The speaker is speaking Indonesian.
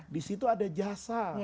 disitu ada jasa